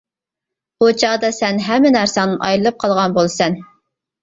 ئۇ چاغدا سەن ھەممە نەرسەڭدىن ئايرىلىپ قالغان بولىسەن.